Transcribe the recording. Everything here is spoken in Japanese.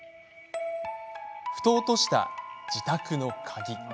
ふと、落とした自宅の鍵。